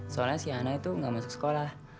soalnya si ana itu gak masuk sekolah